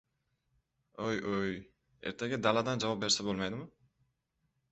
«O‘-o‘y, ertaga daladan javob bersa bo‘lmaydimi?».